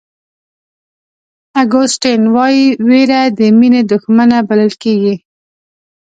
اګوستین وایي وېره د مینې دښمنه بلل کېږي.